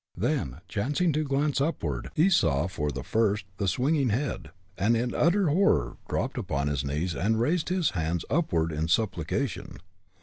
Then, chancing to glance upward, he saw for the first the swinging head, and in utter horror dropped upon his knees and raised his hands upward in supplication.